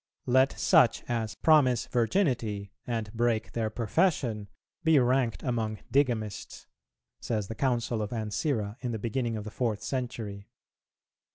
"Let such as promise Virginity and break their profession be ranked among digamists," says the Council of Ancyra in the beginning of the fourth century.